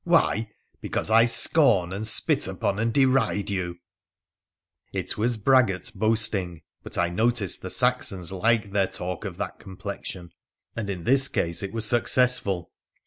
Why ? Because I scorn, and spit upon, and deride you !' It was braggart boasting, but I noticed the Saxons liked their talk of that complexion. And in this case it was suc cessful.